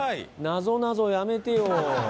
なぞなぞやめてよ！